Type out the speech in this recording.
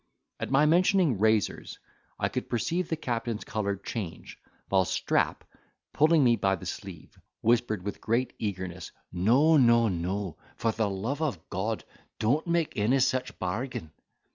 At my mentioning razors: I could perceive the captain's colour change while Strap, pulling me by the sleeve, whispered with great eagerness: "No, no, no; for the love of God, don't make any such bargain."